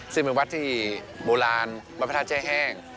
ซึ่งเป็นวัดที่โบราณวัดพระธาตุแช่แห้ง